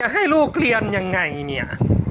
ให้ลูกเรียนยังไงเนี่ย